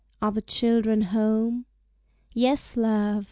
are the children home?" "Yes, love!"